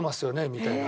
みたいな。